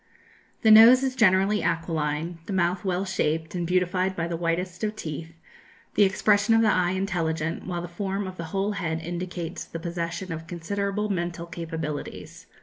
"The nose is generally aquiline, the mouth well shaped and beautified by the whitest of teeth, the expression of the eye intelligent, while the form of the whole head indicates the possession of considerable mental capabilities.